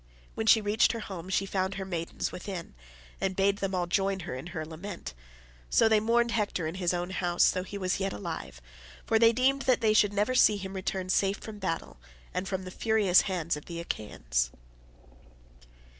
When she reached her home she found her maidens within, and bade them all join in her lament; so they mourned Hector in his own house though he was yet alive, for they deemed that they should never see him return safe from battle, and from the furious hands of the Achaeans.